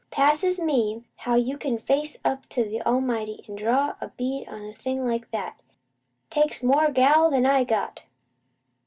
Passes me, how you can face up to the Almighty, an' draw a bead on a thing like that! Takes more gall'n I got!